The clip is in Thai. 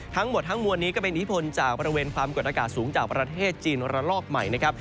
ทั้งหมดทั้งมวลนี้ก็เป็นอิทธิพลจากบริเวณความกดอากาศสูงจากประเทศจีนระลอกใหม่นะครับ